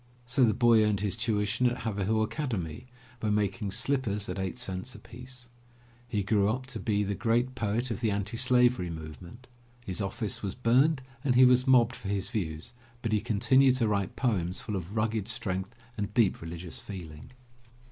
So the boy earned his tuition at Haverhill Academy by making slippers at eight cents apiece. He grew up to be the great poet of the anti Slavery movement. His office was burned and he was mobbed for his views, but he continued to write poems full of rugged strength and deep religious feeling.